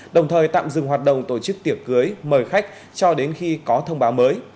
đồng thời tạm dừng hoạt động tổ chức tiệc cưới mời khách cho đến khi có thông báo mới